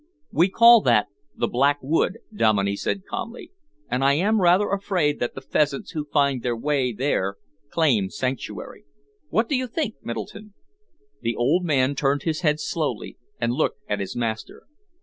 "We call that the Black Wood," Dominey said calmly, "and I am rather afraid that the pheasants who find their way there claim sanctuary. What do you think, Middleton?" The old man turned his head slowly and looked at his master.